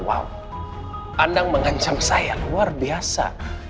anda mengancam saya luar biasa